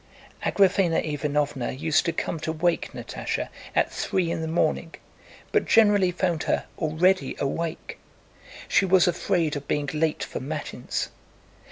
Agraféna Ivánovna used to come to wake Natásha at three in the morning, but generally found her already awake. She was afraid of being late for Matins.